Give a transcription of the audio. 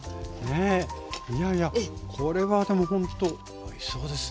いやいやこれはでもほんとおいしそうですね。